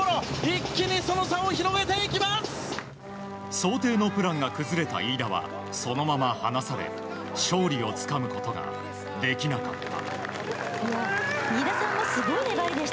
想定のプランが崩れた飯田はそのまま、離され勝利をつかむことができなかった。